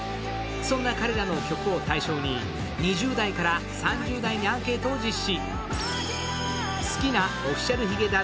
そんな彼らの曲を対象に２０代から３０代にアンケートを実施。